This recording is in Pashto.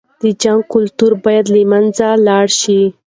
د جنګ کلتور بايد له منځه لاړ شي.